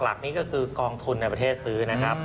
หลักนี้ก็คือกองทุนในประเทศซื้อนะครับ